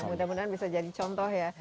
mudah mudahan bisa jadi contoh ya